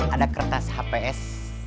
ada kertas hps